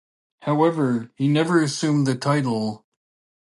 However, he never assumed the title.